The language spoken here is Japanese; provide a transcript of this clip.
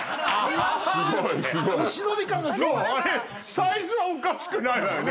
サイズはおかしくないわよね。